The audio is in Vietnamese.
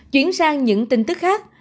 chuyển sang những tin tức khác